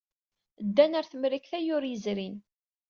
Ddan ɣer Temrikt ayyur yezrin.